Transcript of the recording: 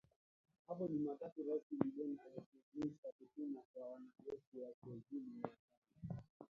Hapo Jumatatu Rais Biden aliidhinisha kutumwa kwa wanajeshi wasiozidi mia tano